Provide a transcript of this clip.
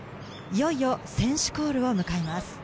いよいよ選手コールを迎えます。